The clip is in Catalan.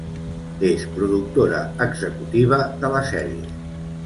És productora executiva de la sèrie.